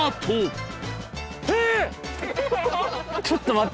ちょっと待って。